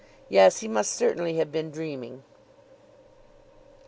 Yes; he must certainly have been dreaming.